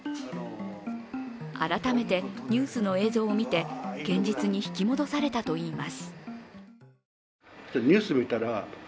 改めて、ニュースの映像を見て現実に引き戻されたといいます。